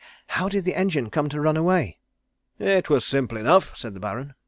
How did the engine come to run away?" "It was simple enough," said the Baron.